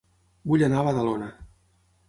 Vull anar a Badalona